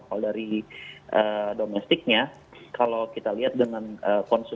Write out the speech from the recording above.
kalau dari domestiknya kalau kita lihat dengan konsumen